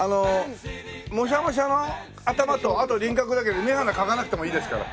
もしゃもしゃの頭とあと輪郭だけで目鼻描かなくてもいいですから。